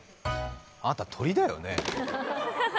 あなた、鳥だよね。